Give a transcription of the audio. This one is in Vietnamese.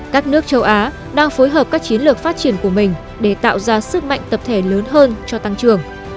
các nước châu á đang phối hợp các chiến lược phát triển của mình để tạo ra sức mạnh tập thể lớn hơn cho tăng trưởng